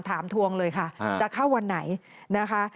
ทวงเลยค่ะจะเข้าวันไหนนะคะ